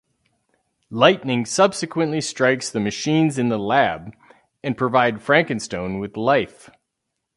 Lightning subsequently strikes the machines in the lab, and provide Frankenstone with life.